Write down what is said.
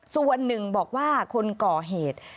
ส่วนหนึ่งบอกว่าคนก่อเหตุ